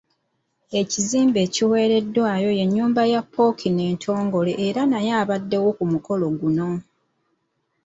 Ekizimbe ekiweereddwayo ye nnyumba ya Pookino entongole era naye abaddewo ku mukolo guno.